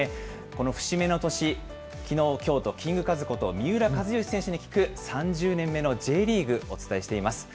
この節目の年、きのう、きょうとキングカズこと、三浦知良選手に聞く、３０年目のＪリーグ、お伝えしています。